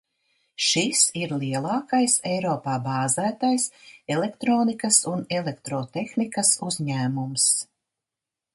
Šis ir lielākais Eiropā bāzētais elektronikas un elektrotehnikas uzņēmums.